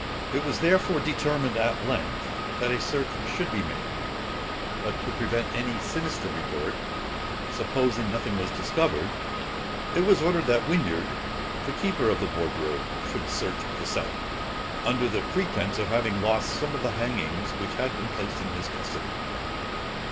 It was therefore determined at length, that a search should be made; but to prevent any sinister report, supposing nothing was discovered, it was ordered that Whinyard, the keeper of the wardrobe, should search the cellar, under the pretence of having lost some of the hangings, which had been placed in his custody.